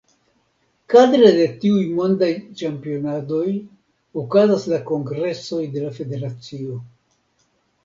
Kadre de tiuj mondaj ĉampionadoj okazas la kongresoj de la federacio.